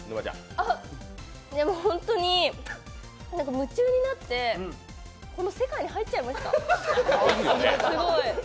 本当に夢中になってこの世界に入っちゃいました。